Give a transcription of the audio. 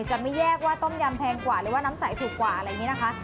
จะไม่แยกว่าต้มยำแพงกว่าหรือว่าน้ำใสถูกกว่าอะไรอย่างนี้นะคะ